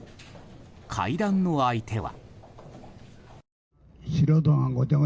会談の相手は。